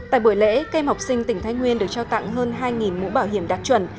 tại buổi lễ kem học sinh tỉnh thái nguyên được trao tặng hơn hai mũ bảo hiểm đạt chuẩn